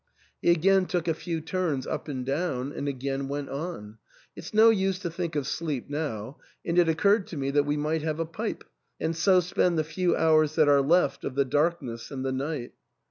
He again took a few turns up and down, and again went on, " It's no use to think of sleep now ; and it occurred to me that we might have a pipe, and so spend the few hours that are left of the darkness and the night."